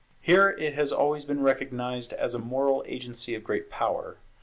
Here it has always been recognized as a moral agency of great power.